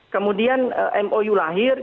kemudian mou lahir